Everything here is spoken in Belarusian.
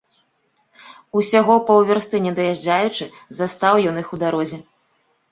Усяго паўвярсты не даязджаючы, застаў ён іх у дарозе.